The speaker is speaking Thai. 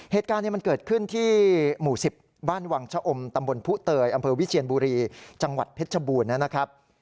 เหตุการณ์นี้มันเกิดขึ้นที่หมู่๑๐บ้านวังชะอมตำบลผู้เตยอำเภอวิเชียนบุรีจังหวัดเพชรบูรณ์นะครับ